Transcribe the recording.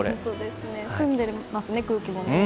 澄んでますね、空気も。